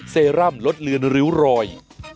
เซรั่มลดเลือนริ้วรอย